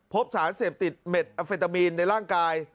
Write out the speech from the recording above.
พบสารเสพติดเม็ดอเฟตามีนในร่างกาย